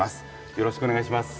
よろしくお願いします。